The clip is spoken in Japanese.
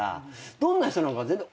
どんな人なのか全然。